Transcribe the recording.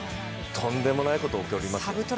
とんでもないことが起こりますよ。